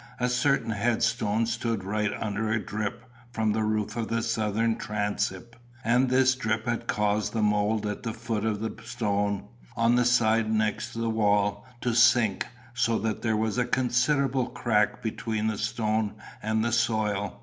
A certain headstone stood right under a drip from the roof of the southern transept; and this drip had caused the mould at the foot of the stone, on the side next the wall, to sink, so that there was a considerable crack between the stone and the soil.